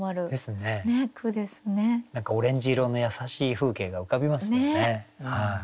何かオレンジ色の優しい風景が浮かびますよね。